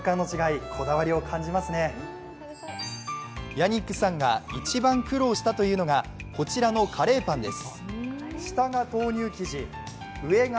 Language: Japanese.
ヤニックさんが一番苦労したというのがこちらのカレーパンです。